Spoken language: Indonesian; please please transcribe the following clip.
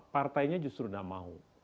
partainya justru sudah mau